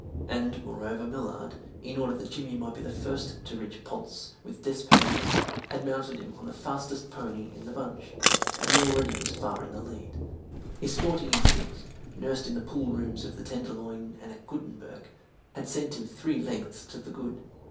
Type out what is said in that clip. And, moreover, Millard, in order that Jimmy might be the first to reach Ponce with despatches, had mounted him on the fastest pony in the bunch, and he already was far in the lead. His sporting instincts, nursed in the pool rooms of the Tenderloin and at Guttenburg, had sent him three lengths to the good.